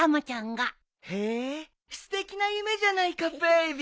へえすてきな夢じゃないかベイビー。